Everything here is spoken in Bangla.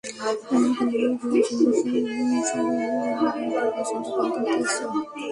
পুনমের বিয়ের জন্য সোম সরোবরের বাড়িটা পর্যন্ত বন্ধক দিয়েছো।